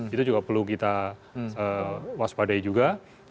itu juga perlu kita waspadai juga